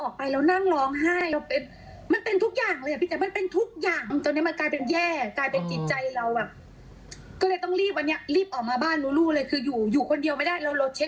คืออยู่คนเดียวไม่ได้